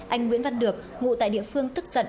anh nguyễn văn được ngụ tại địa phương tức giận